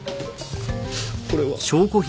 これは？